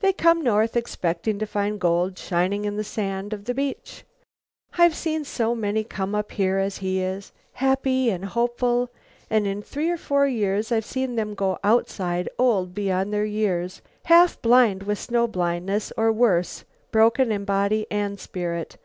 "They come North expecting to find gold shining in the sand of the beach. I've seen so many come up here as he is, happy and hopeful, and in three or four years I've seen them go 'outside,' old beyond their years, half blind with snow blindness, or worse; broken in body and spirit.